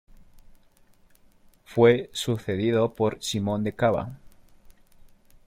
Fue sucedido por Simón de Cava.